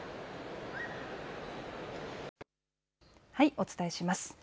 お伝えします。